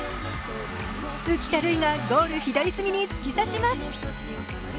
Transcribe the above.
浮田留衣がゴール左隅に突き刺します。